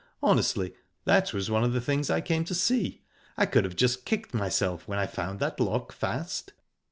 Honestly, that was one of the things I came to see. I could have just kicked myself when I found that lock fast."